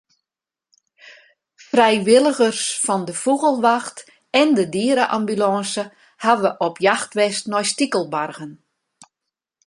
Frijwilligers fan de Fûgelwacht en de diere-ambulânse hawwe op jacht west nei stikelbargen.